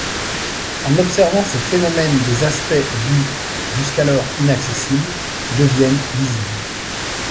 En observant ces phénomènes des aspects du jusqu'alors inaccessibles deviennent visibles.